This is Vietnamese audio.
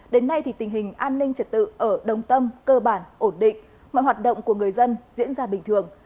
đến nay thì tình hình an ninh trật tự ở đồng tâm cơ bản ổn định mọi hoạt động của người dân diễn ra bình thường